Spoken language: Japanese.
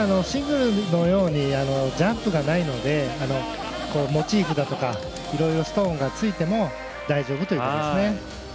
シングルのようにジャンプがないのでモチーフだとかいろいろストーンがついても大丈夫ということですね。